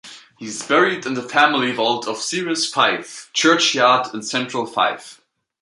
He is buried in the family vault of Ceres, Fife churchyard in central Fife.